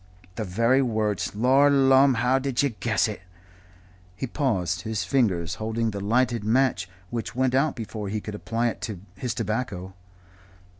"The very words. Lor lumme! how did you guess it?" He paused, his fingers holding the lighted match, which went out before he could apply it to his tobacco.